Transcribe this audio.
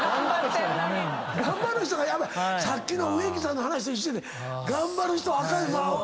頑張る人がさっきの植木さんの話と一緒で頑張る人はあかん。